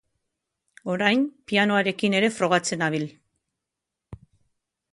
Orain, pianoarekin ere frogatzen nabil.